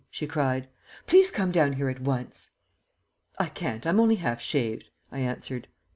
she cried. "Please come down here at once." "I can't. I'm only half shaved," I answered.